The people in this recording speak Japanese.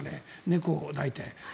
猫を抱いて。